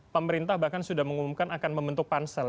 pemerintah bahkan sudah mengumumkan akan membentuk pansel